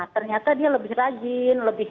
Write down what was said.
ternyata dia lebih rajin